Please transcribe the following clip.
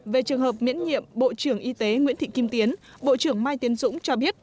về trường hợp miễn nhiệm bộ trưởng y tế nguyễn thị kim tiến bộ trưởng mai tiến dũng cho biết